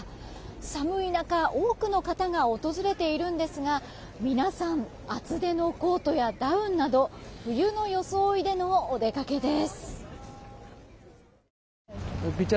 寒い中多くの方が訪れているんですが皆さん厚手のコートやダウンなど冬の装いでのお出かけです。